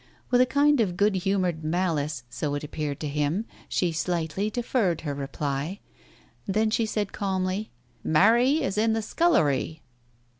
With a kind of good humoured malice, so it appeared to him, she slightly deferred her reply. ... Then she said calmly — "Mary is in the scullery."